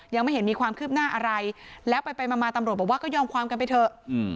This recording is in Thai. ยังไม่เห็นมีความคืบหน้าอะไรแล้วไปมาตำรวจบอกว่าก็ยอมความกันไปเถอะ